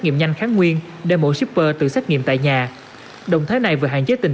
nghiệm nhanh kháng nguyên để mỗi shipper tự xét nghiệm tại nhà động thái này vừa hạn chế tình